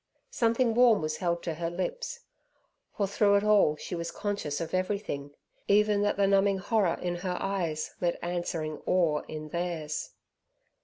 Something warm was held to her lips, for through it all she was conscious of everything, even that the numbing horror in her eyes met answering awe in theirs.